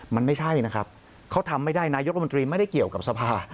มันไม่ใช่นะครับเขาทำไม่ได้นายกรัฐมนตรีไม่ได้เกี่ยวกับสภา